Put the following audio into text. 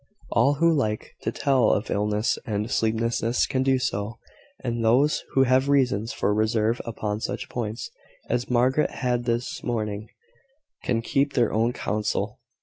All who like to tell of illness and sleeplessness can do so; and those who have reasons for reserve upon such points, as Margaret had this morning, can keep their own counsel.